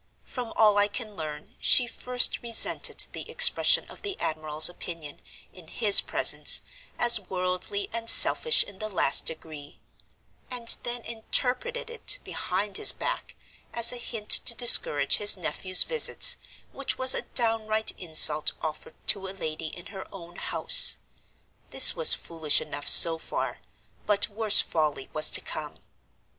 From all I can learn, she first resented the expression of the admiral's opinion, in his presence, as worldly and selfish in the last degree; and then interpreted it, behind his back, as a hint to discourage his nephew's visits, which was a downright insult offered to a lady in her own house. This was foolish enough so far; but worse folly was to come.